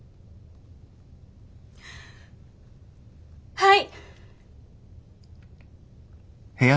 はい！